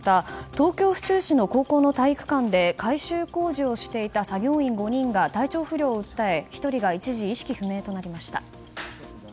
東京・府中市の高校の体育館で改修工事をしていた作業員５人が体調不良を訴え１人が一時、意識不明となりました。